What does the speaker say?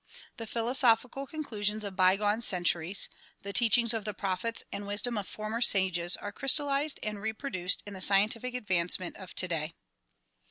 The philosophical con clusions of bygone centuries, the teachings of the prophets and wisdom of former sages are crystallized and reproduced in the scientific advancement of today.